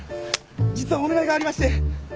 実はお願いがありまして。